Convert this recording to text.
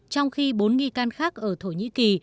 trong khi bốn nghi can khác ở thổ nhĩ kỳ